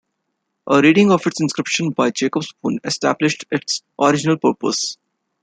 A reading of its inscription by Jacob Spon established its original purpose.